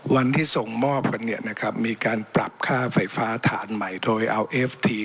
วันที่ส่งมอบกันเนี่ยนะครับมีการปรับค่าไฟฟ้าฐานใหม่โดยเอาเอฟที